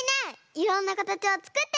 いろんなかたちをつくってみたい！